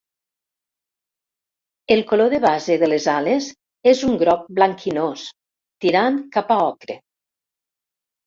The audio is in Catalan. El color de base de les ales és un groc blanquinós tirant cap a ocre.